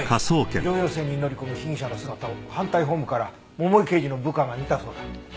城陽線に乗り込む被疑者の姿を反対ホームから桃井刑事の部下が見たそうだ。